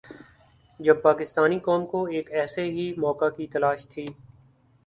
جب پاکستانی قوم کو ایک ایسے ہی موقع کی تلاش تھی۔